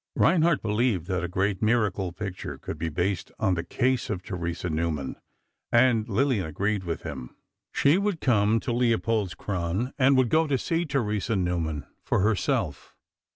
Reinhardt believed that a great miracle picture could be based on the case of Theresa Neumann, and Lillian agreed with him. She would come to Leopoldskron, and would go to see Theresa Neumann for herself.